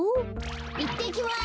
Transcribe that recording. いってきます。